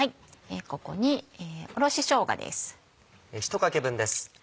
ここにおろししょうがです。